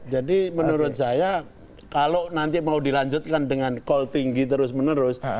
jadi menurut saya kalau nanti mau dilanjutkan dengan call tinggi terus menerus